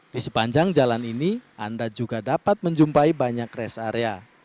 di sepanjang jalan ini anda juga dapat menjumpai banyak rest area